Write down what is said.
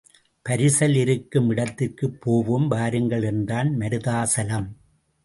பரிசல் இருக்கும் இடத்திற்குப் போவோம் வாருங்கள் என்றான் மருதாசலம்.